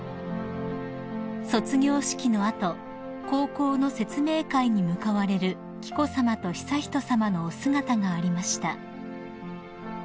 ［卒業式の後高校の説明会に向かわれる紀子さまと悠仁さまのお姿がありました］